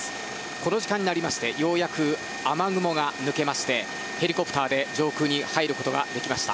この時間になりましてようやく雨雲が抜けましてヘリコプターで上空に入ることができました。